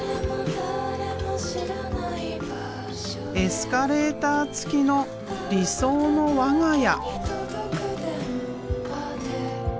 エスカレーター付きの理想の我が家。